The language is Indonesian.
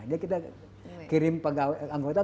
jadi kita kirim anggota